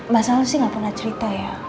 masalahnya sih gak pernah cerita ya